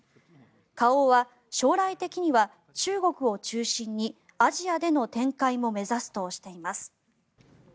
花王は将来的には中国を中心にアジアでの展開も目指すとしています。